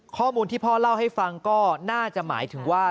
ข้อมูลที่พ่อเล่าให้ฟังก็น่าจะหมายถึงว่า